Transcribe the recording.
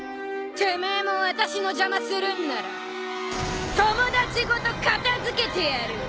てめえも私の邪魔するんなら友達ごと片付けてやる！